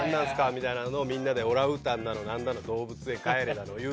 みたいなのをみんなでオランウータンだのなんだの動物園帰れだの言う。